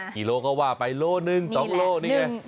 กิโลกรัมก็ว่าไปโลกหนึ่งนี่แหละ